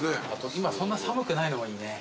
今そんな寒くないのもいいね。